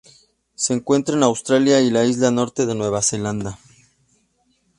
Se encuentra en Australia y la Isla Norte de Nueva Zelanda.